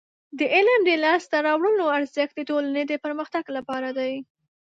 د علم د لاسته راوړنو ارزښت د ټولنې د پرمختګ لپاره دی.